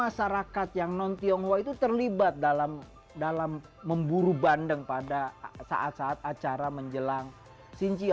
masyarakat yang non tionghoa itu terlibat dalam memburu bandeng pada saat saat acara menjelang xinjia